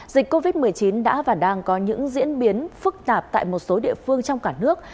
dịch covid một mươi chín đã và đang có những diễn biến phức tạp tại một số địa phương trong cả nước